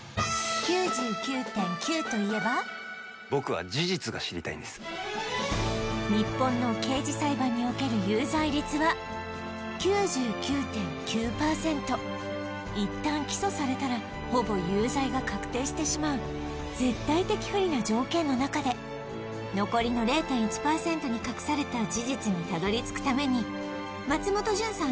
僕は事実が知りたいんです日本の刑事裁判における有罪率は９９．９％いったん起訴されたらほぼ有罪が確定してしまう絶対的不利な条件の中で残りの０．１％に隠された事実にたどりつくために松本潤さん